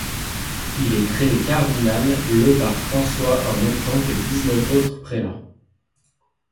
Il est créé cardinal le par François en même temps que dix-neuf autres prélats.